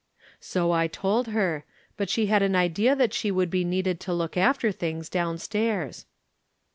" So I told her ; but she had an idea that she would be needed to look after things down stairs."